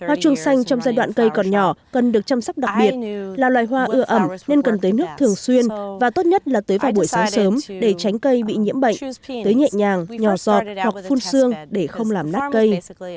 hoa chuông xanh trong giai đoạn cây còn nhỏ cần được chăm sóc đặc biệt là loài hoa ưa ẩm nên cần tưới nước thường xuyên và tốt nhất là tưới vào buổi sáng sớm để tránh cây bị nhiễm bệnh tưới nhẹ nhàng nhỏ giọt hoặc phun xương để không làm nát cây